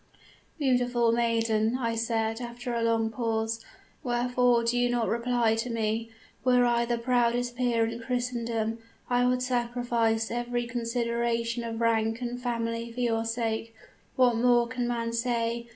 "'Beautiful maiden,' I said after a long pause, 'wherefore do you not reply to me? Were I the proudest peer in Christendom, I would sacrifice every consideration of rank and family for your sake. What more can man say?